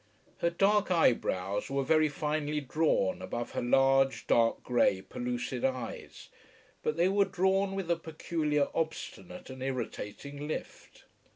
Her dark eyebrows were very finely drawn above her large, dark grey, pellucid eyes, but they were drawn with a peculiar obstinate and irritating lift.